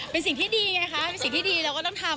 เป็นสิ่งที่ดีไงคะเป็นสิ่งที่ดีเราก็ต้องทำ